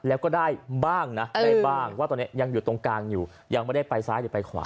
แล้วก็ได้บ้างนะได้บ้างว่าตอนนี้ยังอยู่ตรงกลางอยู่ยังไม่ได้ไปซ้ายหรือไปขวา